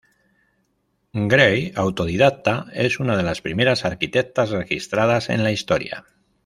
Gray, autodidacta, es una de las primeras arquitectas registradas en la historia.